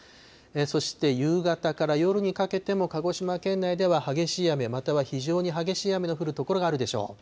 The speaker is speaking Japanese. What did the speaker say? そして夕方から夜にかけても、鹿児島県内では激しい雨、または非常に激しい雨の降る所があるでしょう。